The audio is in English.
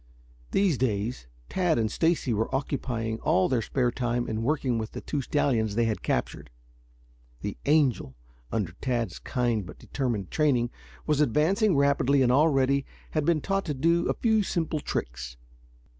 These days, Tad and Stacy were occupying all their spare time in working with the two stallions they had captured. The Angel, under Tad's kind but determined training, was advancing rapidly and already had been taught to do a few simple tricks.